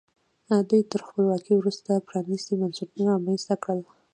دوی تر خپلواکۍ وروسته پرانیستي بنسټونه رامنځته کړل.